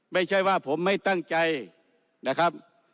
ไม่ใช่ว่าผมไม่ตั้งใจนะครับ